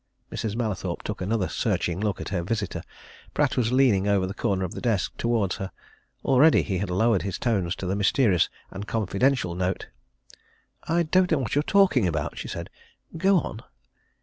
Mrs. Mallathorpe took another searching look at her visitor. Pratt was leaning over the corner of the desk, towards her; already he had lowered his tones to the mysterious and confidential note. "I don't know what you're talking about," she said. "Go on."